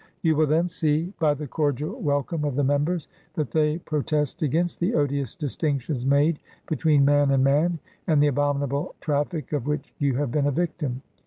You will then see, by the cordial welcome of the members, that they pro test against the odious distinctions made between man and man, and the abominable traffic of which you have been a victim.